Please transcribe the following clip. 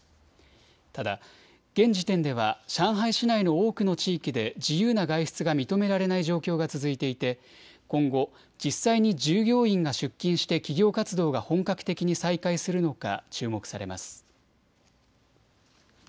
ただ現時点では上海市内の多くの地域で自由な外出が認められない状況が続いていて今後、実際に従業員が出勤して企業活動が本格的に再開するのか注目されます。